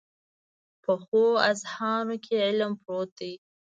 پخو اذهانو کې علم پروت وي